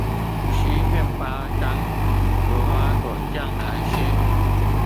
撕麵包沾無花果醬來吃